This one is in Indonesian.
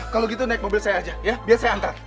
kalau gitu naik mobil saya aja ya biar saya antar